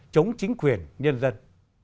chống chính quyền nhân dân